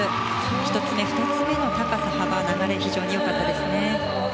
１つ目、２つ目の高さ、幅流れ、非常に良かったですね。